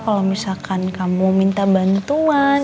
kalau misalkan kamu minta bantuan